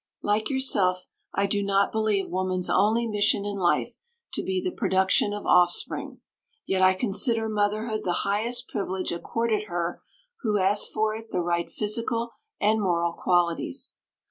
Like yourself, I do not believe woman's only mission in life to be the production of offspring, yet I consider motherhood the highest privilege accorded her who has for it the right physical and moral qualities.